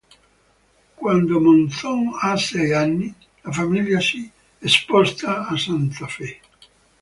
Quando Monzón ha sei anni, la famiglia si sposta a Santa Fe.